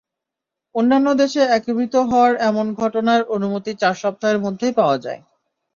অন্যান্য দেশে একীভূত হওয়ার এমন ঘটনার অনুমতি চার সপ্তাহের মধ্যেই পাওয়া যায়।